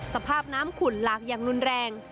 สภาพน้ำขุ่นหลากอย่างรุนแรง